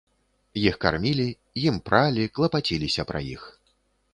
Іх кармілі, ім пралі, клапаціліся пра іх.